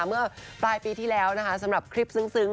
เมื่อปลายปีที่แล้วนะคะสำหรับคลิปซึ้ง